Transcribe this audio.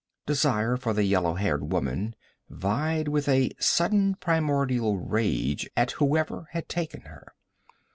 Desire for the yellow haired woman vied with a sullen primordial rage at whoever had taken her.